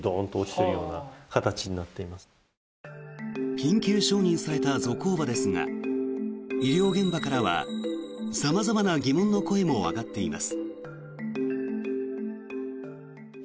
緊急承認されたゾコーバですが医療現場からは様々な疑問の声も上がっています。